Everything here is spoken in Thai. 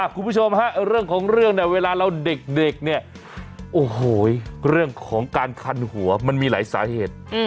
คุณผู้ชมฮะเรื่องของเรื่องเนี่ยเวลาเราเด็กเนี่ยโอ้โหเรื่องของการคันหัวมันมีหลายสาเหตุ